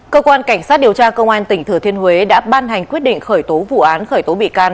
cơ quan cảnh sát điều tra công an tỉnh thừa thiên huế đã ban hành quyết định khởi tố vụ án khởi tố bị can